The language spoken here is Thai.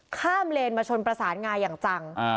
ข้ามเลนมาชนประสานงาอย่างจัง